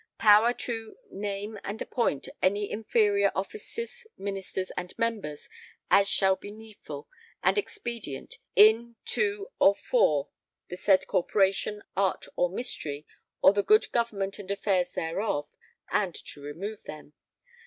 [Power to] name and appoint any other inferior Officers Ministers and Members as shall be needful and expedient in to or for the said corporation art or mystery or the good government and affairs thereof [and to remove them].